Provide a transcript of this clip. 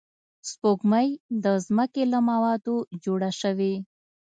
سپوږمۍ د ځمکې له موادو جوړه شوې